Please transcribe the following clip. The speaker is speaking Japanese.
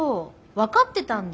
分かってたんだ？